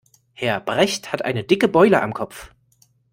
Herr Brecht hat eine dicke Beule am Kopf.